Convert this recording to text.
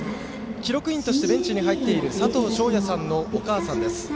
記録員としてベンチに入っている佐藤彰哉さんのお母さんです。